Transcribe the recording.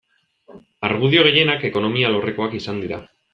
Argudio gehienak ekonomia alorrekoak izan dira.